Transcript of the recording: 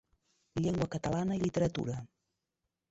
Llengua catalana i literatura.